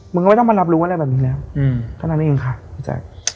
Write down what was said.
ไม่ต้องมารับรู้อะไรแบบนี้แล้วเท่านั้นเองค่ะพี่แจ๊ค